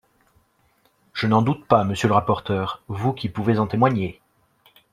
Je n’en doute pas, monsieur le rapporteur, vous qui pouvez en témoigner.